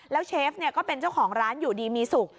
แล้วเชฟก็เป็นเจ้าของร้านอยู่ดีมีสุข